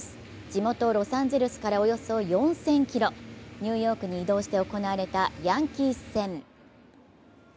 地元ロサンゼルスからおよそ４０００ｋｍニューヨークに移動して行われたヤンキース戦。